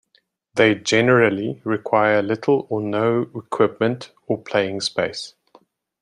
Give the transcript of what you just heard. They generally require little or no equipment or playing space.